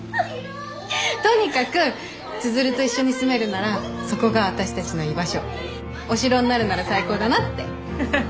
とにかく千鶴と一緒に住めるならそこが私たちの居場所お城になるなら最高だなって。